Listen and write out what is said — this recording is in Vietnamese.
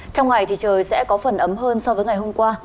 trong ngày thì trời sẽ có phần ấm hơn so với ngày hôm qua